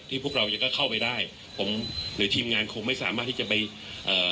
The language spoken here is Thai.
พวกเรายังก็เข้าไปได้ผมหรือทีมงานคงไม่สามารถที่จะไปเอ่อ